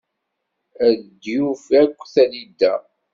Ad yuf akk talida.